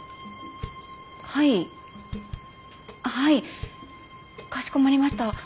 はいはいかしこまりました。